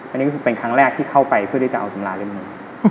อันนี้ก็เป็นครั้งแรกที่เข้าไปเพื่อได้จะเอาสำราเรียนมือ